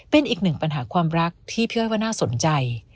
เป็นอีกหนึ่งปัญหาความรักที่พี่อ้อยว่าน่าสนใจ